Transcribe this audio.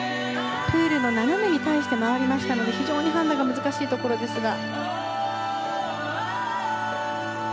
プールの斜めに対して回りましたので非常に判断が難しいところですが。